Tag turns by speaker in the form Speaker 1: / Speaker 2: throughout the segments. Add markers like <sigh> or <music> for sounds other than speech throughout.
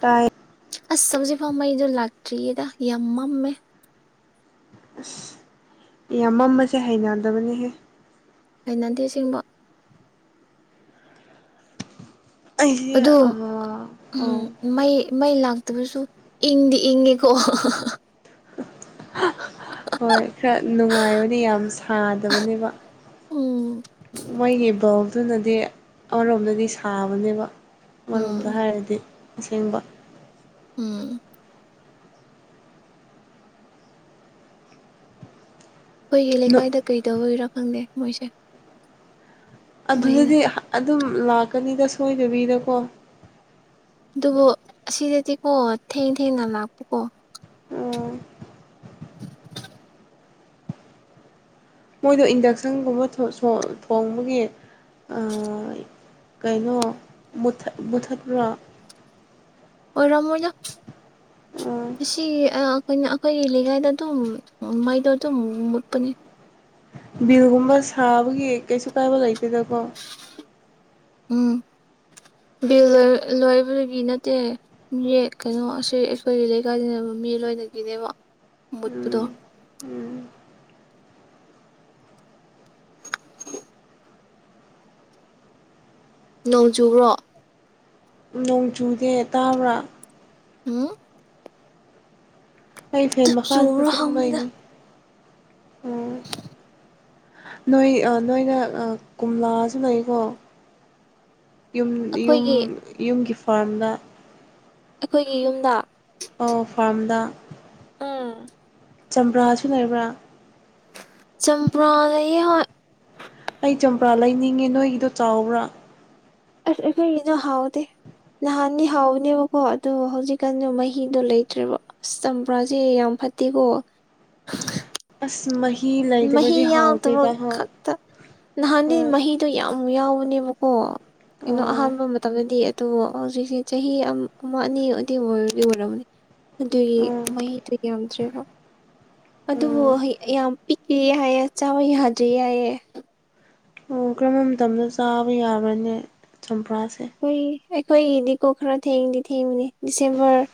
Speaker 1: ꯇꯥꯏ
Speaker 2: ꯑꯁ ꯍꯧꯖꯤꯛ ꯐꯥꯎ ꯃꯩꯗꯣ ꯂꯥꯛꯇ꯭ꯔꯤꯌꯦꯗ ꯌꯥꯝ ꯃꯝꯃꯦ
Speaker 1: ꯑꯁ ꯌꯥꯝ ꯃꯝꯃꯁꯦ ꯍꯩꯅꯗꯕꯅꯦꯍꯦ
Speaker 2: ꯍꯩꯅꯗꯤ ꯁꯤꯡꯕ
Speaker 1: ꯑꯩꯁꯦ
Speaker 2: ꯑꯗꯨ
Speaker 1: ꯑꯥ
Speaker 2: ꯎꯝ
Speaker 1: ꯑꯣ
Speaker 2: ꯃꯩ ꯃꯩ ꯂꯥꯛꯇꯕꯁꯨ ꯏꯪꯗꯤ ꯏꯪꯉꯦꯀꯣ
Speaker 1: ꯍꯣꯏ ꯈꯔ ꯅꯨꯡꯉꯥꯏꯕꯅꯦ ꯌꯥꯝ ꯁꯥꯗꯕꯅꯦꯕ
Speaker 2: ꯑꯣ
Speaker 1: ꯃꯣꯏꯒꯤ ꯕꯎꯗꯨꯅꯗꯤ ꯑꯃꯔꯣꯝꯗꯗꯤ ꯁꯥꯕꯅꯦꯕ ꯑꯃꯔꯣꯝꯗ
Speaker 2: ꯎꯝ
Speaker 1: ꯍꯥꯏꯔꯗꯤ ꯑꯁꯦꯡꯕ
Speaker 2: ꯎꯝ ꯑꯩꯈꯣꯏꯒꯤ
Speaker 1: ꯅꯨꯞ
Speaker 2: ꯂꯩꯀꯥꯏꯗ ꯀꯩꯗ ꯗꯧꯕꯩꯔ ꯈꯪꯗꯦ ꯃꯣꯏꯁꯦ ꯃꯩꯗ
Speaker 1: ꯑꯗꯨꯅꯗꯤ ꯑꯗꯨꯝ ꯂꯥꯛꯀꯅꯤꯗ ꯁꯣꯏꯗꯕꯤꯗꯀꯣ
Speaker 2: ꯑꯗꯨꯕꯨ ꯑꯁꯤꯗꯗꯤꯀꯣ ꯊꯦꯡ ꯊꯦꯡꯅ ꯂꯥꯛꯄꯀꯣ
Speaker 1: ꯎꯝ
Speaker 2: <inaudible>
Speaker 1: ꯃꯣꯏꯗꯣ ꯏꯟꯗꯛꯁꯟꯒꯨꯝꯕ ꯊꯣꯡꯕꯒꯤ ꯀꯩꯅꯣ ꯃꯨꯊ ꯃꯨꯊꯠꯄ꯭ꯔꯣ
Speaker 2: ꯑꯣꯏꯔꯝꯃꯣꯢꯗ
Speaker 1: ꯑ
Speaker 2: ꯑꯁꯤ ꯑꯩꯈꯣꯏꯅ ꯑꯩꯈꯣꯏꯒꯤ ꯂꯩꯀꯥꯏꯗ ꯑꯗꯨꯝ ꯃꯩꯗꯣ ꯑꯗꯨꯝ ꯃꯨꯠꯄꯅꯦ
Speaker 1: ꯕꯤꯜꯒꯨꯝꯕ ꯁꯥꯕꯒꯤ ꯀꯩꯁꯨ ꯀꯥꯏꯕ ꯂꯩꯇꯦꯗꯀꯣ
Speaker 2: ꯎꯝ ꯕꯤꯜ ꯂꯣꯏꯕꯒꯤ ꯅꯠꯇꯦ ꯀꯩꯅꯣ ꯑꯁꯤ ꯑꯩꯈꯣꯏꯒꯤ ꯂꯩꯀꯥꯏꯗ ꯃꯤ ꯂꯣꯏꯅꯒꯤꯅꯦꯕ ꯃꯨꯠꯄꯗꯣ
Speaker 1: ꯎꯝ ꯎꯝ
Speaker 2: ꯅꯣꯡ ꯆꯨꯕꯣ
Speaker 1: ꯅꯣꯡ ꯆꯨꯗꯦ ꯇꯥꯕ꯭ꯔꯥ
Speaker 2: ꯎꯝ
Speaker 1: ꯑꯩ ꯐꯦꯟ ꯃꯈꯥꯗꯨꯗ
Speaker 2: ꯆꯨꯕ꯭ꯔꯣ ꯍꯪꯕꯅꯤꯗ
Speaker 1: ꯑꯗꯨꯨꯝꯕꯩꯅꯤ ꯅꯣꯏ ꯅꯣꯏꯅ ꯀꯣꯝꯂꯥꯁꯨ ꯂꯩꯀꯣ ꯌꯨꯝ ꯌꯨꯝ
Speaker 2: ꯑꯩꯈꯣꯏꯒꯤ
Speaker 1: ꯌꯨꯝꯒꯤ ꯐꯥꯔꯝꯗ
Speaker 2: ꯑꯩꯈꯣꯏꯒꯤ ꯌꯨꯝꯗ
Speaker 1: ꯄ ꯐꯥꯔꯝꯗ
Speaker 2: ꯎꯝ
Speaker 1: ꯆꯝꯄ꯭ꯔꯥꯁꯨ ꯂꯩꯕ꯭ꯔꯥ
Speaker 2: ꯆꯝꯄ꯭ꯔꯥꯗ ꯍꯣꯏ
Speaker 1: ꯑꯩ ꯆꯝꯄ꯭ꯔꯥ ꯂꯩꯅꯤꯡꯉꯦ ꯅꯣꯏꯒꯤꯗꯣ ꯆꯥꯎꯕ꯭ꯔꯥ
Speaker 2: ꯑ ꯏꯅ ꯍꯥꯎꯗ ꯅꯍꯥꯟꯅꯤ ꯍꯥꯎꯕꯅꯦꯕꯀꯣ ꯑꯗꯣ ꯍꯧꯖꯤꯛꯀꯥꯟꯗ ꯃꯍꯤꯗꯣ ꯂꯩꯇ꯭ꯔꯦꯕ ꯑ ꯆꯝꯄ꯭ꯔꯥꯁꯦ ꯌꯥꯝ ꯐꯠꯇꯦꯀꯣ
Speaker 1: ꯑꯁ ꯃꯍꯤ
Speaker 2: ꯃꯍꯤ
Speaker 1: ꯂꯩꯗꯕꯗꯤ
Speaker 2: ꯌꯥꯎꯗꯕ
Speaker 1: ꯍꯥꯎꯗꯦꯗ ꯍ
Speaker 2: ꯈꯛꯇ ꯅꯍꯥꯟꯗꯤ ꯃꯍꯤꯗꯣ ꯌꯥꯝ ꯌꯥꯎꯕꯅꯦꯕꯀꯣ ꯀꯩꯅꯣ
Speaker 1: ꯑꯣ
Speaker 2: ꯑꯍꯥꯟꯕ ꯃꯇꯝꯗꯗꯤ ꯑꯗꯨ ꯍꯧꯖꯤꯛꯁꯦ ꯆꯍꯤ ꯑꯃ ꯑꯅꯤ ꯑꯗꯨ ꯑꯣꯏꯔꯗꯤ ꯑꯣꯏꯔꯕꯅꯦ ꯑꯗꯨꯒꯤ
Speaker 1: ꯑꯣ
Speaker 2: ꯃꯍꯩꯗꯨ ꯌꯥꯝꯗ꯭ꯔꯦꯕ ꯑꯗꯨꯕꯨ
Speaker 1: ꯎꯝ
Speaker 2: ꯌꯥꯝ ꯄꯤꯛꯑ ꯌꯥꯏꯌꯦ ꯆꯥꯕ ꯌꯥꯗ꯭ꯔꯤ ꯌꯥꯏꯌꯦ
Speaker 1: ꯑꯣ ꯀꯔꯝꯕ ꯃꯇꯝꯗ ꯆꯥꯕ ꯌꯥꯕꯅꯦ ꯆꯝꯄ꯭ꯔꯥꯁꯦ
Speaker 2: ꯍꯈꯣꯏ ꯑꯩꯈꯣꯏꯒꯤꯗꯤꯀꯣ ꯈꯔ ꯊꯦꯡꯗꯤ ꯊꯦꯡꯕꯅꯤ ꯗꯤꯁꯦꯝꯕꯔ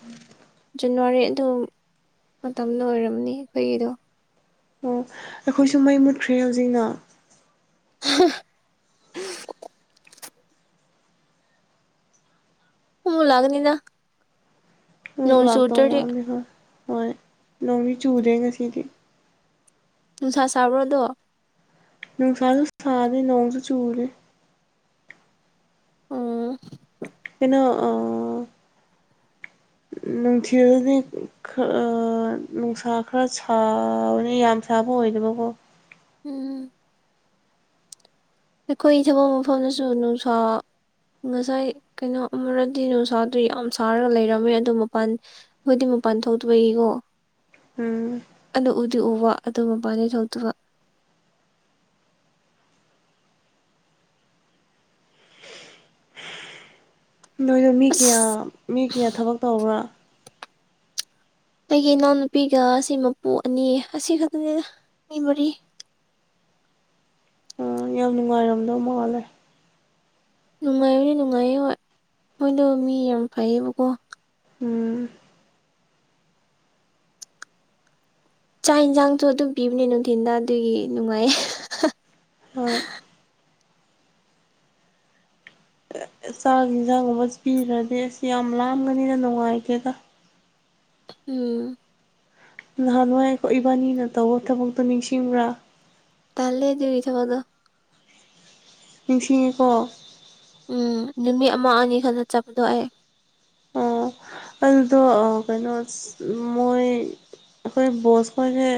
Speaker 2: ꯖꯅꯋꯥꯔꯤ ꯑꯗꯨ ꯃꯇꯝꯗ ꯑꯣꯏꯔꯝꯅꯤ ꯑꯩꯈꯣꯏꯒꯤꯗꯣ
Speaker 1: ꯑꯣ ꯑꯩꯈꯣꯏꯁꯨ ꯃꯩ ꯃꯨꯠꯈ꯭ꯔꯦ ꯍꯧꯖꯤꯛꯅ
Speaker 2: <unintelligible> ꯍꯛ ꯂꯒꯅꯤꯗ
Speaker 1: ꯅꯨꯛ ꯂꯥꯛꯇꯧ ꯃꯥꯜꯅꯤ ꯍꯣꯏ ꯍꯣꯏ ꯅꯣꯡꯗꯤ ꯆꯨꯗꯦ ꯉꯁꯤꯗꯤ
Speaker 2: ꯅꯨꯡꯁꯥ ꯁꯥꯕ꯭ꯔꯗꯣ
Speaker 1: ꯅꯨꯡꯁꯥꯁꯨ ꯁꯥꯔꯦ ꯅꯣꯡꯁꯨ ꯆꯨꯗꯦ
Speaker 2: ꯎꯝ
Speaker 1: ꯀꯅ ꯑ ꯅꯨꯡꯊꯤ ꯑꯗꯨꯗꯤ ꯈꯔ ꯅꯨꯡꯁꯥ ꯈꯔ ꯁꯥꯎꯅꯤ ꯌꯥꯝ ꯁꯥꯕ ꯑꯣꯏꯗꯕꯀꯣ
Speaker 2: ꯎꯝꯝ ꯑꯩꯈꯣꯏꯒꯤ ꯊꯕꯛ ꯃꯐꯝꯗꯁꯨ ꯅꯨꯡꯁꯥ ꯉꯁꯥꯏ ꯀꯩꯅꯣ ꯑꯃꯔꯗꯤ ꯅꯨꯡꯁꯥꯗꯨ ꯌꯥꯝ ꯁꯥꯔꯒ ꯂꯩꯔꯝꯃꯦ ꯑꯗꯨ ꯃꯄꯥꯟ ꯍꯣꯏꯗꯤ ꯃꯄꯥꯟ ꯊꯣꯛꯇꯕꯒꯤꯀꯣ
Speaker 1: ꯎꯝ
Speaker 2: ꯑ ꯎꯗꯤ ꯎꯕ ꯑꯗꯨ ꯃꯃꯥꯟꯅꯦꯩ ꯊꯧꯗꯕ
Speaker 1: ꯅꯣꯏꯗꯣ ꯃꯤ ꯀꯌꯥ
Speaker 2: ꯑꯁ
Speaker 1: ꯃꯤ ꯀꯌꯥ ꯊꯕꯛ ꯇꯧꯕ꯭ꯔꯥ
Speaker 2: ꯑꯩꯒꯤ ꯏꯅꯥꯎꯅꯨꯄꯤꯒ ꯑꯁꯤ ꯃꯄꯨ ꯑꯅꯤ ꯑꯁꯤ ꯈꯛꯇꯪꯅꯤ ꯃꯤ ꯃꯔꯤ
Speaker 1: ꯑꯣ ꯌꯥꯝ ꯅꯨꯡꯉꯥꯏꯔꯝꯗꯧ ꯃꯥꯜꯂꯦ
Speaker 2: ꯅꯨꯡꯉꯥꯏꯕꯅꯦ ꯅꯨꯡꯉꯥꯏꯌꯦ ꯍꯣꯏ ꯃꯣꯏꯗꯣ ꯃꯤ ꯌꯥꯝ ꯐꯩꯌꯦꯕꯀꯣ
Speaker 1: ꯎꯝ
Speaker 2: ꯆꯥꯛ ꯌꯦꯟꯁꯥꯡꯁꯨ ꯑꯗꯨꯝ ꯄꯤꯕꯅꯦ ꯅꯨꯡꯊꯤꯟꯗ ꯑꯗꯨꯒꯤ ꯅꯨꯡꯉꯥꯏꯌꯦ
Speaker 1: ꯍ ꯆꯥꯛꯒꯤ ꯌꯦꯟꯖꯥꯡꯒꯨꯝꯕꯁ ꯄꯤꯈ꯭ꯔꯗꯤ ꯑꯁ ꯌꯥꯝ ꯂꯥꯝꯒꯅꯤꯅ ꯅꯨꯡꯉꯥꯏꯇꯦꯗ
Speaker 2: ꯎꯝ
Speaker 1: ꯅꯍꯥꯟꯋꯥꯏꯣ ꯏꯕꯥꯅꯤꯅ ꯇꯧꯕ ꯊꯕꯛꯇꯣ ꯅꯤꯡꯁꯤꯡꯕ꯭ꯔꯥ
Speaker 2: ꯇꯥꯦ ꯌ ꯊꯕꯗꯣ
Speaker 1: ꯅꯤꯡꯁꯤꯡꯉꯦꯀꯣ
Speaker 2: ꯎꯝ ꯅꯨꯃꯤꯠ ꯑꯃ ꯑꯅꯤ ꯈꯛꯇ ꯆꯠꯄꯗꯣ ꯑꯩꯦ
Speaker 1: ꯑꯣ ꯑꯗꯨꯗꯣ ꯀꯩꯅꯣ ꯃꯣꯏ ꯑꯩꯈꯣꯏ ꯕꯣꯁ ꯈꯣꯏꯁꯦ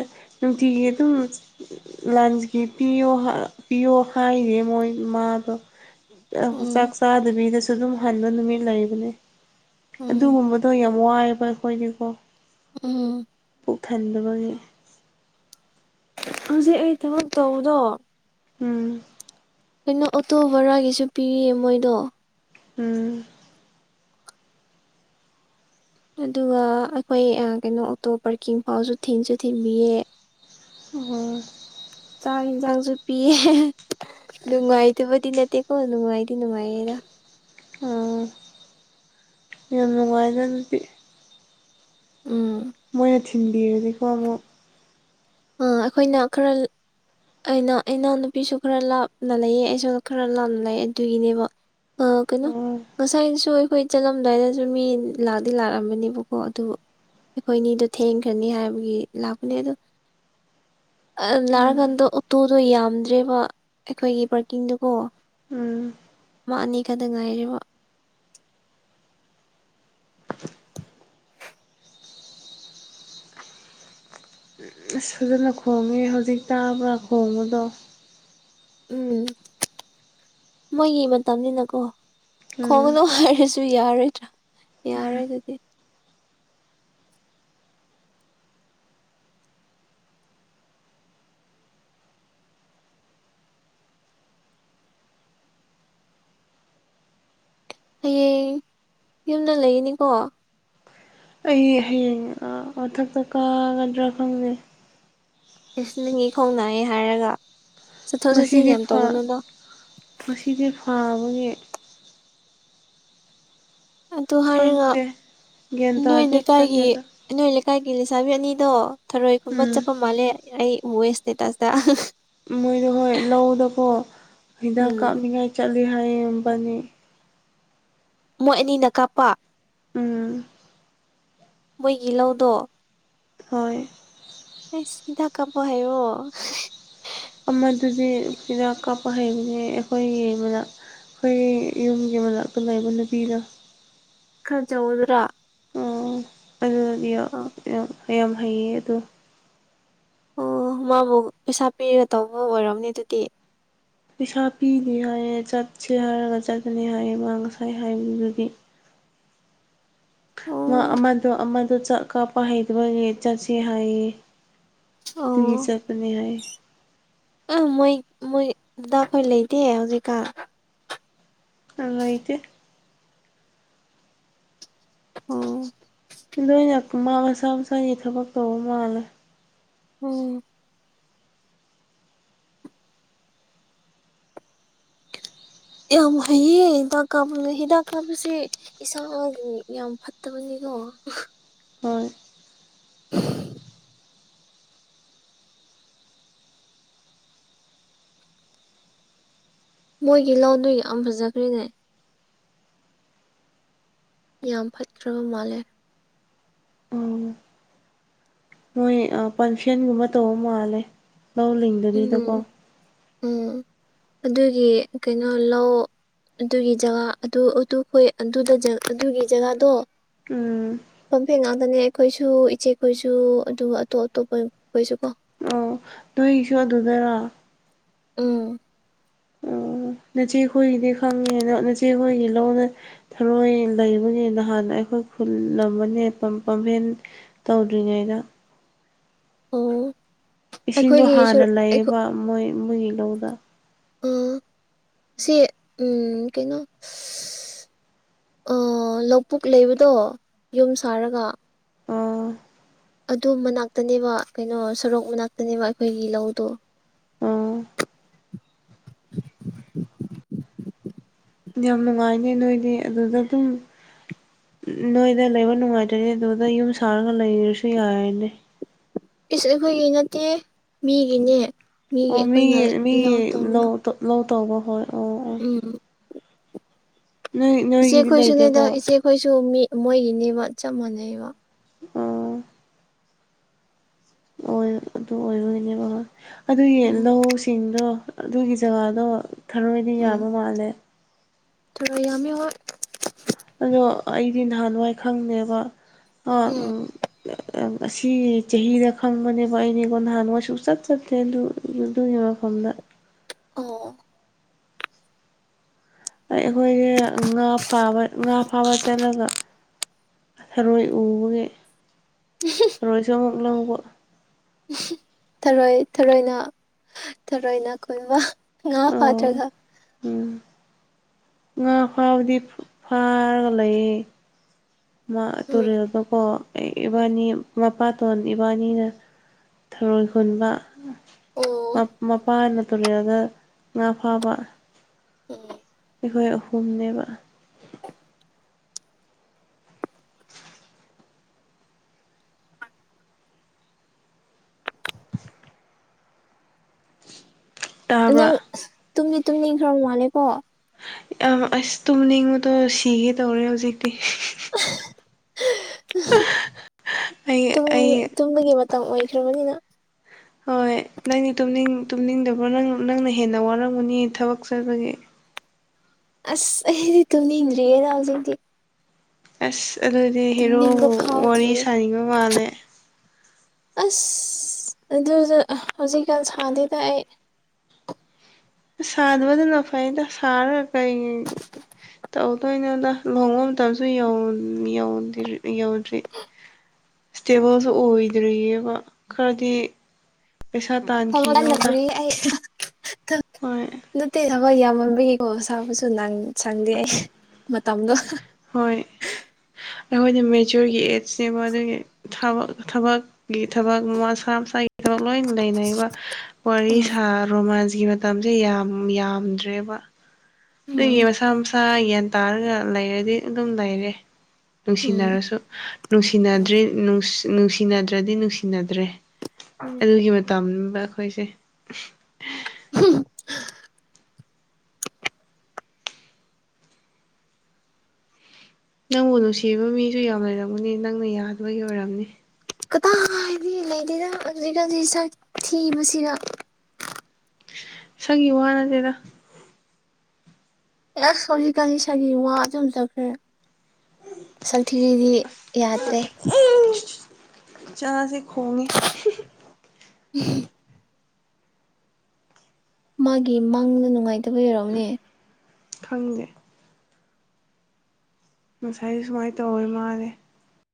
Speaker 1: ꯅꯨꯡꯇꯤꯒꯤ ꯑꯗꯨꯝ ꯂꯟꯁꯀꯤ ꯄꯤꯌꯣ ꯄꯤꯌꯣ ꯍꯥꯏꯔ ꯃꯣꯏ ꯃꯥꯗꯣ ꯆꯥꯛ
Speaker 2: ꯎꯝ
Speaker 1: ꯆꯥꯗꯕꯤꯗꯁꯨ ꯑꯗꯨꯝ ꯍꯟꯕ ꯅꯨꯃꯤꯠ ꯂꯩꯕꯅꯦ
Speaker 2: ꯎꯝ
Speaker 1: ꯑꯗꯨꯒꯨꯝꯕꯗꯣ ꯌꯥꯝ ꯋꯥꯏꯑꯦꯕ ꯑꯩꯈꯣꯏꯗꯤꯀꯣ
Speaker 2: ꯎꯝ
Speaker 1: ꯄꯨꯣꯛꯍꯟꯗꯕꯒꯤ
Speaker 2: ꯍꯧꯖꯤꯛ ꯑꯩ ꯊꯕꯛ ꯇꯧꯕꯗꯣ
Speaker 1: ꯎꯝ
Speaker 2: ꯀꯩꯅꯣ ꯑꯣꯇꯣ ꯕꯔꯥꯒꯤꯁꯨ ꯄꯤꯔꯤꯌꯦ ꯃꯣꯏꯗꯣ
Speaker 1: ꯎꯝ
Speaker 2: ꯑꯗꯨꯒ ꯑꯩꯈꯣꯏ ꯀꯩꯅꯣ ꯑꯣꯇꯣ ꯄꯥꯔꯀꯤꯡ ꯐꯥꯎꯁꯨ ꯊꯤꯟꯁꯨ ꯊꯤꯟꯕꯤꯌꯦ
Speaker 1: ꯑꯣ
Speaker 2: ꯆꯥꯛ ꯌꯦꯟꯁꯥꯡꯁꯨ ꯄꯤꯌꯦ ꯅꯨꯡꯉꯥꯏꯇꯕꯗꯤ ꯅꯠꯇꯦꯀꯣ ꯅꯨꯡꯉꯥꯏꯗꯤ ꯅꯨꯡꯉꯥꯏꯌꯦꯦꯗ
Speaker 1: ꯑꯣ ꯌꯥꯝ ꯅꯨꯡꯉꯥꯏꯖꯅꯗꯤ
Speaker 2: ꯎꯝ
Speaker 1: ꯃꯣꯏꯅ ꯊꯤꯟꯕꯤꯔꯗꯤꯀꯣ ꯑꯃꯨꯛ
Speaker 2: ꯑ ꯑꯩꯈꯣꯏꯅ ꯈꯔ ꯑꯩꯅ ꯑꯩꯅ ꯅꯨꯄꯤꯁꯨ ꯈꯔ ꯂꯥꯞꯅ ꯂꯩꯌꯦ ꯑꯩꯁꯨ ꯈꯔ ꯂꯥꯞꯅ ꯂꯩ ꯑꯗꯨꯒꯤꯅꯦꯕ ꯑ ꯑꯣ ꯀꯦꯩꯅꯣ ꯉꯁꯥꯏꯁꯨ ꯑꯩꯈꯣꯏ ꯆꯠꯂꯝꯗꯥꯏꯗꯁꯨ ꯃꯤ ꯂꯥꯛꯇꯤ ꯂꯥꯛꯑꯝꯕꯅꯦꯕꯀꯣ ꯑꯗꯨꯕꯨ ꯑꯩꯈꯣꯏꯅꯤꯗꯣ ꯊꯦꯡꯈ꯭ꯔꯅꯤ ꯍꯥꯏꯕꯒꯤ ꯂꯥꯛꯄꯅꯦ ꯑꯗ
Speaker 1: ꯎꯝ
Speaker 2: ꯅꯥꯔꯀꯥꯟꯗ ꯑꯣꯇꯣꯗꯣ ꯌꯥꯝꯗ꯭ꯔꯦꯕ ꯑꯩꯈꯣꯏꯒꯤ ꯄꯥꯔꯀꯤꯡꯗꯨꯀꯣ
Speaker 1: ꯎꯝ
Speaker 2: ꯃꯥꯅꯦ ꯈꯛꯇ ꯉꯥꯏꯔꯤꯕ
Speaker 1: ꯑꯁ ꯐꯖꯅ ꯈꯣꯡꯉꯦ ꯍꯧꯖꯤꯛ ꯇꯥꯕ ꯈꯣꯡꯕꯗꯣ
Speaker 2: ꯎꯝ ꯃꯣꯏꯒꯤ ꯃꯇꯝꯅꯤꯅꯀꯣ
Speaker 1: ꯎꯝ
Speaker 2: ꯈꯣꯡꯕꯗꯅꯨꯡ ꯍꯥꯏꯔꯁꯨ ꯌꯥꯔꯣꯏꯗ꯭ꯔꯥ ꯌꯥꯔꯣꯏ ꯑꯗꯨꯗꯤ ꯍꯌꯦꯡ ꯌꯨꯝꯗ ꯂꯩꯔꯤꯅꯤꯀꯣ
Speaker 1: ꯑꯩ ꯍꯌꯦꯡ ꯃꯊꯛꯇ ꯀꯥꯒꯗ꯭ꯔꯥ ꯈꯪꯗꯦ
Speaker 2: ꯀ꯭ꯁꯂꯤꯒꯤ ꯈꯣꯡꯅꯥꯏ ꯍꯥꯏꯔꯒ ꯆꯠꯊꯣꯛ ꯆꯠꯁꯤꯟ
Speaker 1: ꯉꯁꯤꯗꯤ
Speaker 2: ꯌꯥꯝ ꯇꯧꯒꯅꯨꯗꯣ
Speaker 1: ꯉꯁꯤꯗꯤ ꯐꯕꯒꯤ
Speaker 2: ꯑꯗꯨ ꯍꯥꯏꯔꯒ
Speaker 1: ꯈꯪꯗꯦ ꯒ꯭ꯌꯥꯟ
Speaker 2: ꯅꯣꯏ
Speaker 1: ꯇꯥꯗꯦ
Speaker 2: ꯂꯩꯀꯥꯏꯒꯤ
Speaker 1: ꯆꯠꯒꯗ꯭ꯔꯥ
Speaker 2: ꯑꯩ ꯅꯣꯏ ꯂꯩꯀꯥꯏꯒꯤ ꯂꯩꯁꯥꯕꯤ ꯑꯅꯤꯗꯣ ꯊꯔꯣꯏꯒꯨꯝꯕ
Speaker 1: ꯎꯝ
Speaker 2: ꯆꯠꯄ ꯃꯥꯜꯂꯦ ꯑꯩ ꯦꯁꯇꯦ ꯇꯥꯁꯗ
Speaker 1: ꯃꯣꯏꯗꯣ ꯍꯣꯏ ꯂꯧꯗꯀꯣ ꯍꯤꯗꯥꯛ
Speaker 2: ꯎꯝ
Speaker 1: ꯀꯥꯞꯅꯤꯡꯉꯥꯏ ꯆꯠꯂꯤ ꯍꯥꯏꯌꯦꯕꯅꯤ
Speaker 2: ꯃꯣꯏ ꯑꯅꯤꯅ ꯀꯥꯞꯄ
Speaker 1: ꯎꯝ
Speaker 2: ꯃꯣꯏꯒꯤ ꯂꯧꯗꯣ
Speaker 1: ꯍꯣꯏ
Speaker 2: ꯆꯤꯗꯥꯥꯛ ꯀꯥꯄ ꯍꯥꯏꯦ ꯑꯣ
Speaker 1: ꯑꯃꯗꯨꯗꯤ ꯍꯤꯗꯥꯛ ꯀꯥꯞꯄ ꯍꯩꯕꯅꯦ ꯑꯩꯈꯣꯏ ꯌꯦꯡꯕꯗ ꯑꯩꯈꯣꯏ ꯌꯨꯝꯒꯤ ꯃꯅꯥꯛꯇ ꯂꯩꯕ ꯅꯨꯄꯤꯗ
Speaker 2: ꯈꯖꯧꯗ꯭ꯔꯥ
Speaker 1: ꯑꯣ ꯑꯗꯨꯗꯤ ꯌꯥꯝ
Speaker 2: ꯑꯥ
Speaker 1: ꯌꯥꯝ ꯍꯩꯌꯦ ꯑꯗꯣ
Speaker 2: ꯑꯣ ꯃꯥꯕꯨ ꯄꯩꯁꯥ ꯄꯤꯔ ꯇꯧꯕ ꯑꯣꯏꯔꯝꯅꯦ ꯑꯗꯨꯗꯤ
Speaker 1: ꯄꯩꯁꯥ ꯄꯤꯅꯤ ꯍꯥꯏꯌꯦ ꯆꯠꯁꯦ ꯍꯥꯏꯔꯒ ꯆꯠꯀꯅꯤ ꯍꯥꯏꯌꯦ ꯃꯥ ꯉꯁꯥꯏ ꯍꯥꯏꯕꯗꯨꯗꯤ ꯃꯥ
Speaker 2: ꯑꯣ
Speaker 1: ꯑꯃꯗꯣ ꯑꯃꯗ ꯆꯠ ꯀꯥꯞꯄ ꯍꯩꯗꯕꯒꯤ ꯆꯠꯁꯤ ꯍꯥꯏꯌꯦ ꯐ
Speaker 2: ꯑꯣ
Speaker 1: ꯆꯄꯅꯦ ꯍꯥꯏꯌꯦ
Speaker 2: ꯑꯥ ꯃꯣꯏ ꯃꯣꯏꯗ ꯑꯩꯈꯣꯏ ꯂꯩꯇꯦ ꯍꯧꯖꯤꯛꯀꯥꯟ
Speaker 1: ꯑꯥꯏꯗꯤ
Speaker 2: ꯑꯣ
Speaker 1: ꯅꯣꯏꯅ ꯃꯥ ꯃꯁꯥ ꯃꯁꯥꯒꯤ ꯊꯕꯛ ꯇꯧꯕ ꯃꯥꯜꯂꯦ
Speaker 2: ꯎꯝ ꯌꯥꯝ ꯍꯩꯌꯦ ꯍꯤꯗꯥꯛ ꯀꯥꯞꯕꯒ ꯍꯤꯗꯥꯛ ꯀꯥꯞꯄꯁꯦ ꯏꯁꯥꯒꯤ ꯌꯥꯝ ꯐꯠꯇꯕꯅꯤꯒꯣ
Speaker 1: ꯍꯣꯏ
Speaker 2: <inaudible> ꯃꯣꯏꯒꯤ ꯂꯥꯎꯗꯨ ꯌꯥꯝ ꯐꯖꯈ꯭ꯔꯦꯅꯦ ꯌꯥꯝ ꯐꯠꯈ꯭ꯔꯕ ꯃꯥꯜꯂꯦ
Speaker 1: ꯎꯝ ꯃꯣꯏ ꯐꯪꯁꯟꯒꯨꯝꯕ ꯇꯧꯕ ꯃꯥꯜꯂꯦ ꯂꯧ ꯂꯤꯡꯦ
Speaker 2: ꯎꯝ ꯎꯝ ꯑꯗꯨꯒꯤ ꯀꯩꯅꯣ ꯂꯧ ꯑꯗꯨꯒꯤ ꯖꯒꯥ ꯑꯗꯨꯣꯏ ꯑꯗꯨꯒꯤ ꯖꯒꯥꯗꯣ
Speaker 1: ꯎꯝ
Speaker 2: ꯄꯝꯐꯦꯟ ꯉꯥꯛꯇꯅꯦ ꯑꯩꯈꯣꯏꯁꯨ ꯏꯆꯦꯈꯣꯏꯁꯨ ꯑꯗꯨꯒ ꯑꯇꯣꯞ ꯑꯇꯣꯞꯄ ꯈꯣꯏꯁꯨ ꯀꯣ
Speaker 1: ꯅꯣꯏ ꯁꯣ ꯑꯗꯨꯗꯣꯏꯔꯣ
Speaker 2: ꯎꯝ
Speaker 1: ꯎ ꯃꯆꯦꯈꯣꯏꯒꯤꯗꯤ ꯈꯪꯉꯦꯅ ꯅꯆꯦꯈꯣꯏꯒꯤ ꯂꯧꯅ ꯊꯔꯣꯏ ꯂꯩꯕꯅꯤ ꯅꯍꯥꯟ ꯑꯩꯈꯣꯏ ꯈꯨꯜꯂꯝꯕꯅꯦ ꯄꯥꯝꯚꯦꯟ ꯇꯧꯗ꯭ꯔꯤꯉꯩꯗ
Speaker 2: ꯑꯣ
Speaker 1: ꯏꯁꯤꯡꯗꯣ
Speaker 2: ꯑꯩꯈꯣꯏꯒꯤ
Speaker 1: ꯍꯥꯟꯅ
Speaker 2: ꯑꯩꯈꯣꯏ
Speaker 1: ꯂꯩꯌꯦꯕ ꯃꯣꯏ ꯃꯣꯏꯒꯤ ꯂꯧꯗ
Speaker 2: ꯑ ꯁꯤ ꯎꯝ ꯀꯩꯅꯣ ꯂꯧꯕꯨꯛ ꯂꯩꯕꯗꯣ ꯌꯨꯝ ꯁꯥꯔꯒ
Speaker 1: ꯑꯥ
Speaker 2: ꯑꯗꯨ ꯃꯅꯥꯛꯇꯅꯦꯕ ꯀꯩꯅꯣ ꯁꯣꯔꯣꯛ ꯃꯅꯥꯛꯇꯅꯦꯕ ꯑꯩꯈꯣꯏꯒꯤ ꯂꯧꯗꯣ
Speaker 1: ꯑꯣ ꯌꯥꯝ ꯅꯨꯡꯉꯥꯏꯅꯦ ꯅꯣꯏꯗꯤ ꯑꯗꯨꯗ ꯑꯗꯨꯝ ꯅꯣꯏꯗ ꯂꯩꯕ ꯅꯨꯡꯉꯥꯏꯖꯦ ꯑꯗꯨꯗ ꯌꯨꯝ ꯁꯥꯔꯒ ꯂꯩꯔꯁꯨ ꯌꯥꯔꯅꯦ
Speaker 2: ꯏꯁ ꯑꯩꯈꯣꯏꯒꯤ ꯅꯠꯇꯦ ꯃꯤꯒꯤꯅꯦ ꯃꯤꯒꯤ ꯑꯩꯈꯣꯏꯅ ꯂꯧ ꯇꯧꯔꯤ
Speaker 1: ꯇꯣꯞ ꯂꯧ ꯇꯧꯕ ꯍꯣꯏ ꯑꯣ ꯑꯣ
Speaker 2: ꯎꯝ
Speaker 1: ꯅꯣꯏ
Speaker 2: ꯏꯆꯦ
Speaker 1: ꯅꯣꯏꯒꯤꯗꯤ
Speaker 2: ꯈꯣꯏꯁꯨꯅꯦꯗ
Speaker 1: ꯂꯩꯇꯦꯀꯣ
Speaker 2: ꯏꯆꯦꯈꯣꯏꯁꯨ ꯃꯤ ꯃꯣꯏꯒꯤꯅꯦꯕ ꯆꯞ ꯃꯥꯟꯅꯩꯕ
Speaker 1: ꯑꯣ ꯑꯗꯨ ꯑꯣꯏꯔꯣꯏꯒꯤꯅꯦꯕ ꯑꯗꯨꯒꯤ
Speaker 2: ꯎꯝ
Speaker 1: ꯂꯧ ꯆꯤꯡꯗꯣ ꯑꯗꯨꯒꯤ ꯖꯒꯥꯗꯣ ꯊꯥꯔꯣꯏꯅ
Speaker 2: ꯎꯝ
Speaker 1: ꯌꯥꯕ ꯃꯥꯜꯂꯦ
Speaker 2: ꯌꯥꯝꯃꯤ ꯍꫭꯏ
Speaker 1: ꯑꯗꯣ ꯑꯩꯗꯤ ꯅꯍꯥꯟꯋꯥꯏ ꯈꯪꯅꯦꯕ
Speaker 2: ꯎꯝ
Speaker 1: ꯑꯁꯤ ꯆꯍꯤꯗ ꯈꯪꯕꯅꯦꯕ ꯑꯩꯗꯤ ꯅꯍꯥꯟꯋꯥꯏ ꯁꯨꯆꯠ ꯆꯠꯇꯦ ꯑꯗꯨ ꯑꯗꯨꯒꯤ ꯃꯐꯝꯗ
Speaker 2: ꯑꯣ
Speaker 1: ꯑꯩꯈꯣꯏꯁꯦ ꯉꯥ ꯐꯥꯕ ꯉꯥ ꯐꯥꯕ ꯆꯠꯂꯒ ꯊꯔꯣꯏ ꯎꯕꯒꯤ ꯊꯔꯣꯏꯁꯨ ꯑꯃꯨꯛ ꯂꯧꯕ
Speaker 2: ꯊꯔꯣꯏ ꯊꯔꯣꯏꯅ ꯊꯔꯣꯏꯅꯅꯥ ꯈꯨꯟꯕ ꯉꯥ
Speaker 1: ꯑ
Speaker 2: ꯐꯥꯗ꯭ꯔꯒ
Speaker 1: ꯎꯝ ꯉꯥ ꯐꯥꯕꯗꯤ ꯐꯥꯔꯒ ꯂꯩꯌꯦ ꯃꯥ
Speaker 2: ꯎꯝ
Speaker 1: ꯇꯨꯔꯦꯜꯒ ꯀꯣ
Speaker 2: ꯎꯝ
Speaker 1: ꯏꯕꯥꯅꯤ ꯃꯄꯥ ꯇꯣꯟ ꯏꯕꯥꯅꯤꯅ ꯊꯔꯣꯏ ꯈꯨꯟꯕ
Speaker 2: ꯑꯣ
Speaker 1: ꯃꯄꯥꯅ ꯇꯔꯤꯌꯥꯗ ꯉꯥ ꯐꯥꯕ
Speaker 2: ꯎꯝ
Speaker 1: ꯑꯩꯈꯣꯏ ꯑꯍꯨꯝꯅꯦꯕ <inaudible> ꯇꯥꯕ꯭ꯔꯥ
Speaker 2: ꯅꯪ ꯇꯨꯝꯗꯤ ꯇꯨꯝꯅꯤꯡ ꯈꯔ ꯃꯥꯜꯂꯦꯀꯣ
Speaker 1: ꯑꯁ ꯇꯨꯝꯅꯤꯡꯕꯗꯣ ꯁꯤꯒꯦ ꯇꯧꯔꯦ ꯍꯧꯖꯤꯛꯇꯤ ꯑꯩ ꯑꯩ
Speaker 2: ꯇꯨꯝꯕꯥꯒꯤ ꯃꯇꯝ ꯑꯣꯏꯈ꯭ꯔꯕꯅꯤꯅ
Speaker 1: ꯍꯣꯏ ꯅꯪꯗꯤꯅꯤꯡ ꯇꯨꯝꯅꯤꯡꯗꯕ꯭ꯔꯣ ꯅꯪ ꯅꯪꯅ ꯍꯦꯟꯅ ꯋꯥꯔꯝꯒꯅꯤ ꯊꯕꯛ ꯆꯠꯄꯒꯤ
Speaker 2: ꯑꯁ ꯑꯩꯗꯤ ꯇꯨꯅꯤ ꯏ꯭ꯔꯦꯔꯥꯎꯖꯗꯤ
Speaker 1: ꯑꯁ ꯑꯗꯨꯗꯤ
Speaker 2: ꯇꯨꯝꯅꯤꯡꯕ
Speaker 1: ꯍꯦꯔꯣꯕꯨ ꯋꯥꯔꯤ
Speaker 2: ꯐꯥꯎꯗ꯭ꯔꯤꯌꯦ
Speaker 1: ꯁꯥꯅꯤꯡꯕ ꯃꯥꯜꯂꯦ
Speaker 2: ꯑꯁ ꯑꯗꯨ ꯍꯧꯖꯤꯛꯀꯥꯟ ꯁꯥꯗꯨꯗ ꯑꯩ
Speaker 1: ꯁꯥꯗꯕꯗꯨꯅ ꯐꯥꯏꯗ ꯁꯔ ꯀꯩ ꯇꯧꯗꯣꯏꯅꯗ ꯂꯨꯍꯣꯡꯕ ꯃꯇꯝꯁꯨ ꯌꯧꯗꯔꯤ ꯌꯧꯗ꯭ꯔꯤ ꯏꯁꯇꯦꯕꯜꯁꯨ ꯑꯣꯏꯗ꯭ꯔꯤꯑꯕ ꯈꯔꯗꯤ ꯄꯩꯁꯥ
Speaker 2: ꯊꯕꯛ
Speaker 1: ꯇꯥꯟꯈꯤꯉꯉꯣꯟꯗ
Speaker 2: <unintelligible> ꯅꯠꯇꯦ ꯊꯕꯛ ꯌꯥꯝꯃꯟꯕꯒꯤꯀꯣ ꯁꯥꯕꯁꯨ ꯁꯪꯗꯦ ꯑꯩ ꯃꯇꯝꯗꯣ
Speaker 1: ꯍꯣꯏ ꯑꯩꯈꯣꯏꯅ ꯃꯦꯆꯣꯔꯒꯤ ꯑꯦꯠꯖꯅꯦꯕ ꯑꯗꯨꯒꯤ ꯊꯕ ꯊꯕꯛꯀꯤ ꯊꯕꯛ ꯃꯁꯥ ꯃꯁꯥꯒꯤ ꯊꯕꯛ ꯂꯣꯏ ꯂꯩꯅꯔꯤꯕ ꯋꯥꯔꯤ
Speaker 2: ꯎꯝ
Speaker 1: ꯁꯥ ꯔꯣꯃꯥꯟꯁꯀꯤ ꯃꯇꯝꯁꯦ ꯌꯥꯝ ꯌꯥꯝꯗ꯭ꯔꯦꯕ
Speaker 2: ꯎꯝ
Speaker 1: ꯃꯁꯥ ꯃꯁꯥ ꯒ꯭ꯌꯥꯟ ꯇꯥꯔꯒ ꯂꯩꯔꯗꯤ ꯑꯗꯨꯝ ꯂꯩꯔꯦ ꯅꯨꯡꯁꯤꯅꯔꯁꯨ ꯅꯨꯡꯁꯤꯅꯗ꯭ꯔꯤ ꯅꯨꯡꯁꯤꯅꯗ꯭ꯔꯗꯤ ꯅꯨꯡꯁꯤꯅꯗ꯭ꯔꯦ ꯑꯗꯨꯒꯤ ꯃꯇꯝꯝꯕ ꯑꯩꯈꯣꯏꯁꯦ
Speaker 2: <unintelligible>
Speaker 1: ꯅꯪꯕꯨ ꯅꯨꯡꯁꯤꯕ ꯃꯤꯁꯨ ꯌꯥꯝ ꯂꯩꯔꯝꯒꯅꯤ ꯅꯪꯅ ꯌꯥꯗꯕꯒꯤ ꯑꯣꯏꯔꯝꯅꯤ
Speaker 2: ꯀꯗꯥ ꯍꯥꯏꯗꯤ ꯂꯩꯔꯤꯅ ꯍꯧꯖꯤꯛ ꯍꯧꯖꯤꯛ ꯊꯤꯕꯁꯤꯒ
Speaker 1: ꯁꯪꯉꯤ ꯋꯥꯅ ꯇꯔ
Speaker 2: ꯑꯦ ꯁꯣꯖꯤ ꯀꯅꯤ ꯁꯥꯒꯤ ꯋꯥꯁꯨꯨꯝ ꯆꯠꯈ꯭ꯔꯦ ꯁꯪ ꯊꯤꯕꯤꯗꯤ ꯌꯥꯗ꯭ꯔꯦ
Speaker 1: ꯆꯥꯁꯦ ꯈꯣꯡꯉꯦ
Speaker 2: ꯎꯝ ꯃꯥꯒꯤ ꯃꯥꯡꯗ ꯅꯨꯡꯉꯥꯏꯇꯕ ꯌꯔꯎꯅꯦ
Speaker 1: ꯈꯪꯗꯦ ꯉꯁꯥꯏ ꯁꯨꯃꯥꯏꯅ ꯇꯧꯋꯣꯏ ꯃꯥꯂꯦ